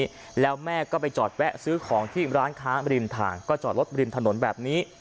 แล้วแม่ก็ไปจอดแวะซื้อของที่ร้านค้าริมทางก็จอดรถริมถนนแบบนี้